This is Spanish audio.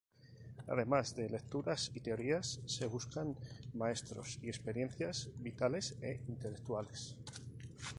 Además de lecturas y teorías se buscaban maestros y experiencias vitales e intelectuales.